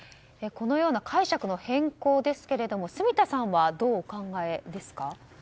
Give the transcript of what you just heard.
このような解釈の変更ですけれども住田さんはどうお考えですか？